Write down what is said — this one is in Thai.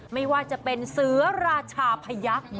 ไม่ว่าจะเป็นเสือราชาพยักษ์